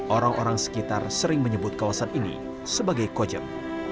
orang orang sekitar sering menyebut kawasan ini sebagai kojem